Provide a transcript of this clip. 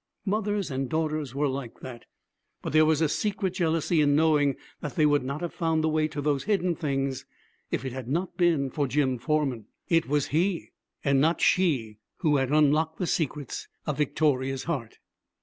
Mothers and daughters were like that. But there was a secret jealousy in knowing that they would not have found the way to those hidden things if it had not been for Jim Forman. It was he, and not she, who had unlocked the secrets of Victoria's heart.